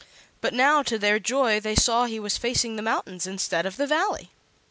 But now, to their joy, they saw he was facing the mountains instead of the Valley.